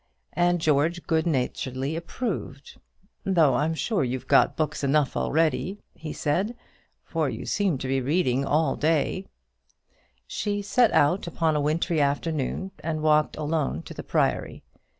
and George good naturedly approving "though I'm sure you've got books enough already," he said; "for you seem to be reading all day" she set out upon a wintry afternoon and walked alone to the Priory.